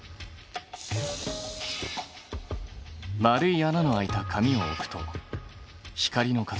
円い穴のあいた紙を置くと光の形は？